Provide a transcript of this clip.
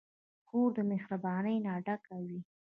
خور د مهربانۍ نه ډکه وي.